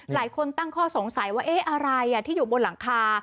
หลายคนตั้งข้อสงสัยว่าเอ๊ะอะไรที่อยู่บนหลังคา